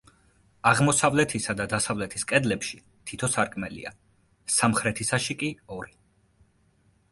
აღმოსავლეთისა და დასავლეთის კედლებში თითო სარკმელია, სამხრეთისაში კი ორი.